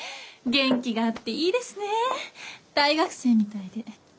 元気があっていいですね大学生みたいで。